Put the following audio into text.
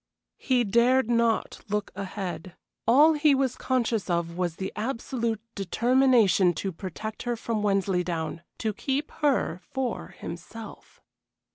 He dared not look ahead. All he was conscious of was the absolute determination to protect her from Wensleydown to keep her for himself.